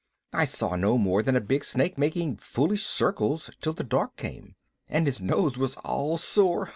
"I saw no more than a big snake making foolish circles till the dark came. And his nose was all sore.